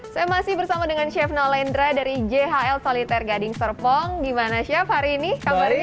saya masih bersama dengan chef nalendra dari jhl soliter gading serpong gimana chef hari ini kabarnya